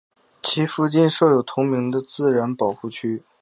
其附近设有同名的自然保护区。